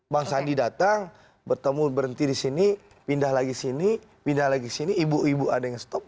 bang sandi datang bertemu berhenti di sini pindah lagi sini pindah lagi sini ibu ibu ada yang stop